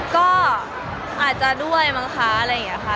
ก็อาจจะด้วยมั้งคะอะไรอย่างนี้ค่ะ